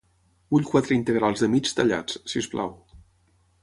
Vull quatre integrals de mig tallats, sisplau